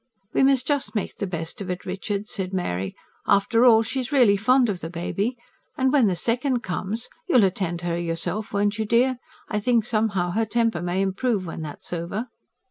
"We must just make the best of it, Richard," said Mary. "After all, she's really fond of the baby. And when the second comes... you'll attend her yourself, won't you, dear? I think somehow her temper may improve when that's over."